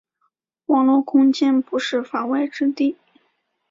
网络空间不是“法外之地”。